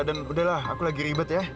dan udahlah aku lagi ribet ya